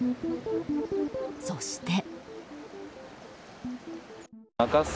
そして。